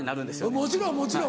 もちろんもちろん。